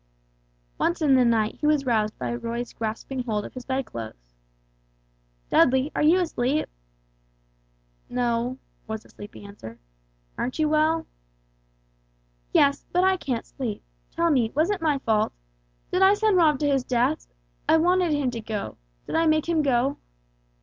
Once in the night he was roused by Roy's grasping hold of his bedclothes. "Dudley, are you asleep?" "No," was the sleepy answer, "aren't you well?" "Yes, but I can't sleep. Tell me, was it my fault? Did I send Rob to his death? I wanted him to go. Did I make him go?"